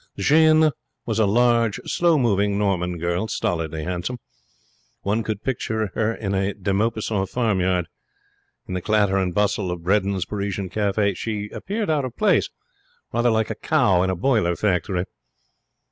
Jeanne was a large, slow moving Norman girl, stolidly handsome. One could picture her in a de Maupassant farmyard. In the clatter and bustle of Bredin's Parisian Cafe she appeared out of place, like a cow in a boiler factory.